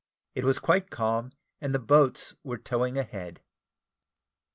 It was quite calm, and the boats were towing ahead.